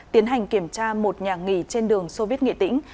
tiến hành kiểm tra một nhà nghỉ trên đường soviet nghệ tĩnh